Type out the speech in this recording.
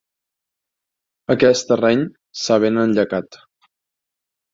Aquest terreny s'ha ben enllacat.